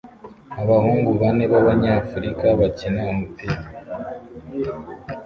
Abahungu bane b'Abanyafrika bakina umupira